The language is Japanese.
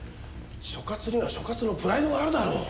所轄には所轄のプライドがあるだろ。